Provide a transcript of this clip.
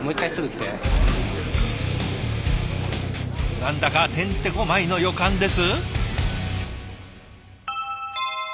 何だかてんてこまいの予感です？